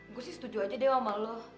gue sih setuju aja deh sama lo